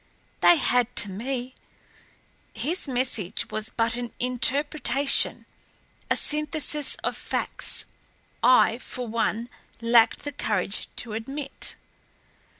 They had to me. His message was but an interpretation, a synthesis of facts I, for one, lacked the courage to admit."